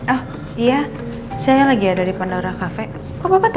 oh iya saya lagi ada di pandora cafe kok bapak tahu